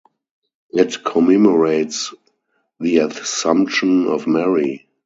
It commemorates the Assumption of Mary.